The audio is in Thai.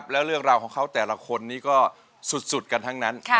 แล้วเรื่องราวของเขาแต่ละคนนี้ก็สุดกันทั้งนั้น